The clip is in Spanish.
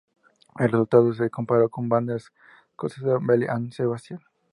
El resultado se comparó con banda escocesa Belle and Sebastian.